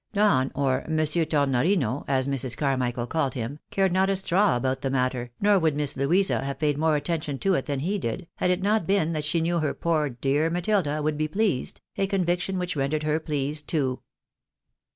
Don, or Monsieur Tornorino, as Mrs. Carmichael called him, cared not a straw about the matter, nor would Miss Louisa have paid more attention to it than he did, had it not been that she knew her " poor dear Matilda" would be pleased ; a conviction which rendered her pleased too.